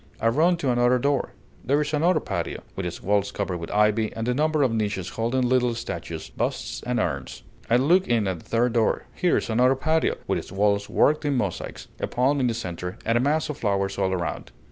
I run to another door: there is another patio, with its walls covered with ivy, and a number of niches holding little statues, busts, and urns. I look in at a third door: here is another patio, with its walls worked in mosaics, a palm in the centre, and a mass of flowers all around.